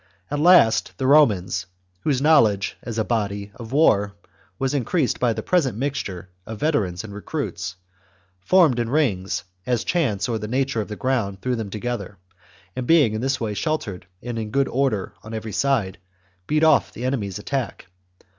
At last the Romans [whose knowledge, as a body, of war, was in creased by the present mixture of] veterans and recruits, formed in rings, as chance, or the nature of the ground 230 THE JUGURTHINE WAR. CHAP, threw them together, and being in this way sheltered and in good order on every side, beat off the enemy's CHAP, attack.